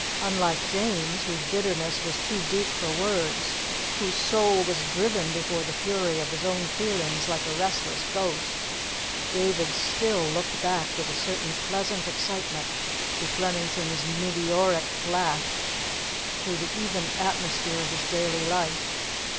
Unlike James, whose bitterness was too deep for words, whose soul was driven before the fury of his own feelings like a restless ghost, David still looked back with a certain pleasant excitement to Flemington's meteoric flash through the even atmosphere of his daily life.